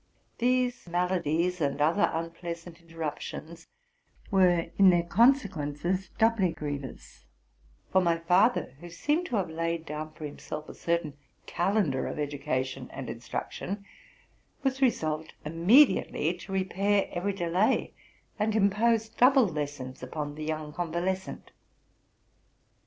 These maladies, and other unpleasant interruptions, were in their consequences doubly grievous ; for my father, who seemed to have laid down for himself a certain calendar of education and instruction, was resolved immediately to repair every delay, and imposed double lessons upon the young convalescent.